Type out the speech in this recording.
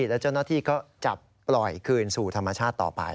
แล้วเจ้าหน้าที่ก็จับปล่อยคืนสู่ธรรมชาติต่อไป